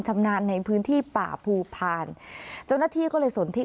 ชำนาญในพื้นที่ป่าภูพาลเจ้าหน้าที่ก็เลยสนที่